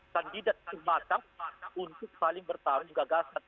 dan tidak semacam untuk saling bertahan juga gasat